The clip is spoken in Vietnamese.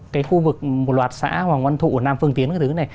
cái khu vực một loạt xã hoàng oan thụ nam phương tiến cái thứ này